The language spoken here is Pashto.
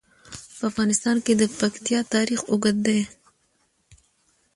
په افغانستان کې د پکتیا تاریخ اوږد دی.